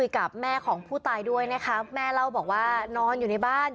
กับแม่ของผู้ตายด้วยนะคะแม่เล่าบอกว่านอนอยู่ในบ้าน